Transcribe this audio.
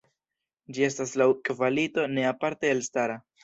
Ĝi estas laŭ kvalito ne aparte elstara.